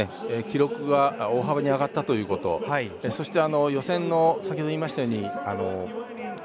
記録が大幅に上がったということそして予選の先ほど言いましたように課題ですね